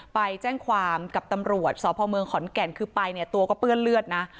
ไปแจ้งความกับตำรวจสพเมืองขอนแก่นคือไปเนี่ยตัวก็เปื้อนเลือดนะ